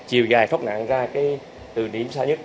chiều dài thốc nạn ra từ điểm xa nhất